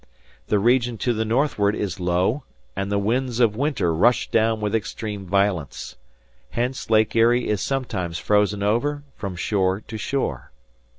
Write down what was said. The region to the northward is low, and the winds of winter rush down with extreme violence. Hence Lake Erie is sometimes frozen over from shore to shore.